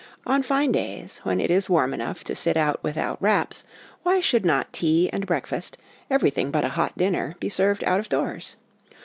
On fine days when it is warm enough to sit out with wraps, why should not tea and breakfast, everything but a hot dinner, be served out of doors